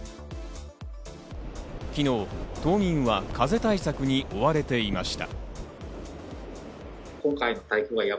昨日、島民は風対策に追われていました。